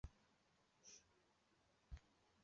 其他城市发展出各自的原始丘神话。